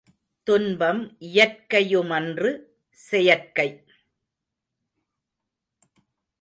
துன்பம் இயற்கையுமன்று, செயற்கை.